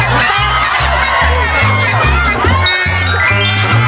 ไปไป